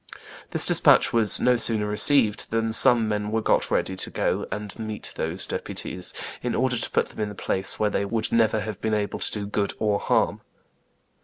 This despatch was "no sooner received than some men were got ready to go and meet those deputies, in order to put them in a place where they would never have been able to do good or harm."